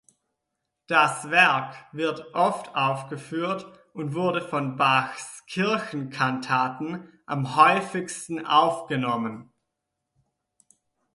Das Werk wird oft aufgeführt und wurde von Bachs Kirchenkantaten am häufigsten aufgenommen.